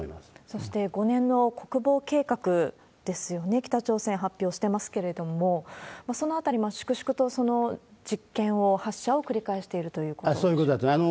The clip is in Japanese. そして、５年の国防計画ですよね、北朝鮮、発表してますけれども、そのあたり、粛々と実験を、発射を繰り返しているということそういうことだと思います。